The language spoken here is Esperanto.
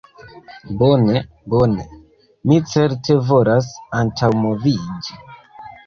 Bone, bone. Mi certe volas antaŭmoviĝi.